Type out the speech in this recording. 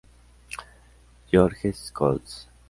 Georges Colts.